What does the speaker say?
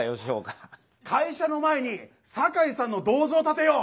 「会社の前に酒井さんの銅像建てよう」。